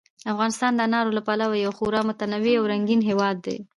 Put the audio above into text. افغانستان د انارو له پلوه یو خورا متنوع او رنګین هېواد دی.